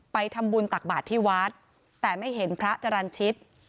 ไปทำบุญตักบาทที่วัดแต่ไม่เห็นพระจรรย์ชิต